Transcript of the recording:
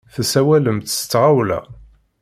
Tessawalemt s tɣawla.